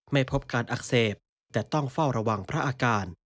ไม่พบการอักเสบแต่ต้องเฝ้าระวังพระอาการ